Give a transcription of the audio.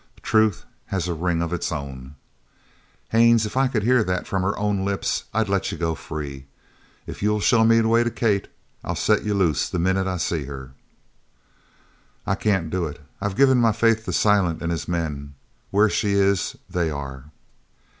Truth has a ring of its own. "Haines, if I could hear that from her own lips, I'd let you go free. If you'll show me the way to Kate, I'll set you loose the minute I see her." "I can't do it. I've given my faith to Silent and his men. Where she is, they are."